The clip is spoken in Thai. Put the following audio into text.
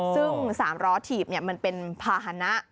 ซึ่ง๓ล้อถีบมันเป็นภาษณะ